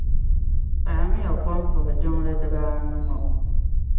Paɣi miya kom puhi jiŋli diba anu ŋɔ.